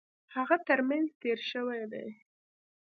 هغه ترمېنځ تېر شوی دی.